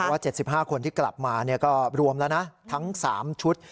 เพราะว่า๗๕คนที่กลับมาเนี่ยก็รวมแล้วนะทั้ง๓ชุด